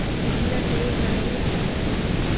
معمولاً به یې لاروي آزارول.